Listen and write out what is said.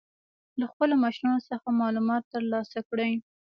له خپلو مشرانو څخه معلومات تر لاسه کړئ.